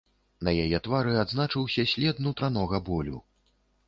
На яе твары адзначыўся след нутранога болю.